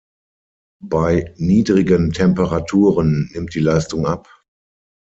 Bei niedrigen Temperaturen nimmt die Leistung ab.